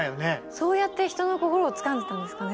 そうやって人の心をつかんでたんですかね。